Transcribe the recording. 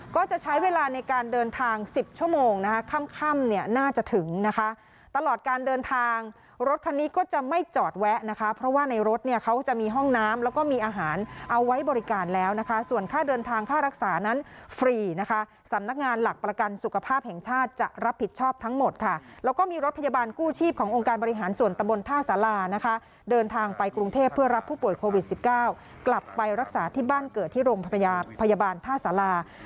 ก็จะใช้เวลาในการเดินทางสิบชั่วโมงนะคะค่ำค่ำเนี่ยน่าจะถึงนะคะตลอดการเดินทางรถคันนี้ก็จะไม่จอดแวะนะคะเพราะว่าในรถเนี่ยเขาจะมีห้องน้ำแล้วก็มีอาหารเอาไว้บริการแล้วนะคะส่วนค่าเดินทางค่ารักษานั้นฟรีนะคะสำนักงานหลักประกันสุขภาพแห่งชาติจะรับผิดชอบทั้งหมดค่ะแล้วก็มีรถพยาบา